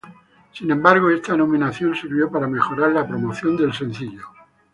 Sin embargo, esta nominación sirvió para mejorar la promoción del sencillo.